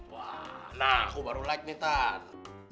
wah nah aku baru like nih tan